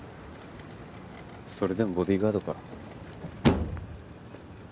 それでもボディーガードか？